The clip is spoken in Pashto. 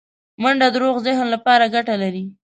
منډه د روغ ذهن لپاره ګټه لري